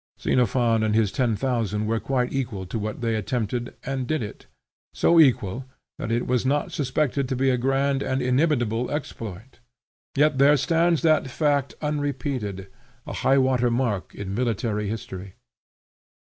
Xenophon and his Ten Thousand were quite equal to what they attempted, and did it; so equal, that it was not suspected to be a grand and inimitable exploit. Yet there stands that fact unrepeated, a high water mark in military history.